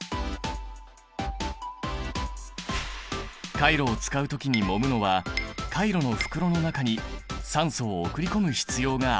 カイロを使う時にもむのはカイロの袋の中に酸素を送り込む必要があるからなんだ。